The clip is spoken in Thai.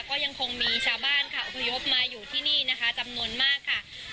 ก็ยังคงมีชาวบ้านค่ะอพยพมาอยู่ที่นี่นะคะจำนวนมากค่ะ